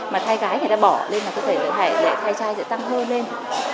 mà thai gái người ta bỏ lên là có thể thai trai sẽ tăng hơn lên